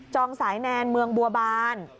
สายแนนเมืองบัวบาน